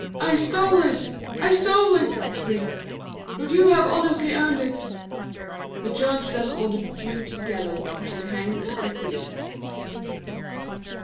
'I stole it! I stole it!' he screamed; 'but you have honestly earned it.' The Judge then ordered the Jew to the gallows to be hanged as a thief.